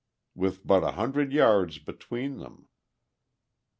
With but a hundred yards between them....